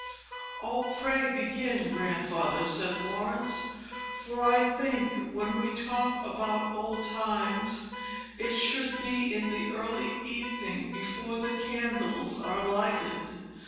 "Oh, pray begin, Grandfather," said Laurence; "for I think, when we talk about old times, it should be in the early evening before the candles are lighted.